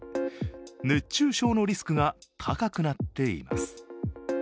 熱中症のリスクが高くなっています。